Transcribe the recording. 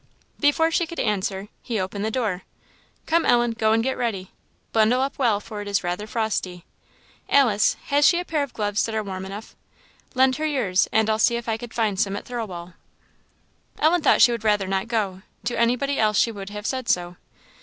Before she could answer, he opened the door. "Come, Ellen, go and get ready. Bundle up well, for it is rather frosty. Alice, has she a pair of gloves that are warm enough? Lend her yours, and I'll see if I can find some at Thirlwall." Ellen thought she would rather not go; to anybody else she would have said so.